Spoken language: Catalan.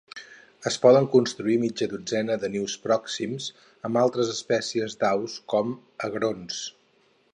Es poden construir mitja dotzena de nius pròxims, amb altres espècies d'aus com agrons.